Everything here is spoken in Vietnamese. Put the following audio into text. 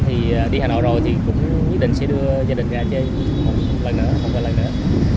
thì đi hà nội rồi thì cũng nhất định sẽ đưa gia đình ra chơi một lần nữa không có lần nữa